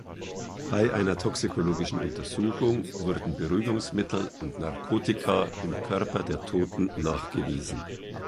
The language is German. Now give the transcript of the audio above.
Bei einer toxikologischen Untersuchung wurden Beruhigungsmittel und Narkotika im Körper der Toten nachgewiesen.